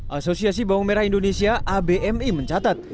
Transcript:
asosiasi bawang merah indonesia abmi mencatat